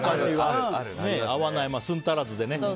合わないまま寸足らずでね。